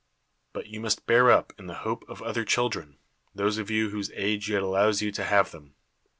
But you must bear up in the hope of other children, those of you whose age yet allows you to have them.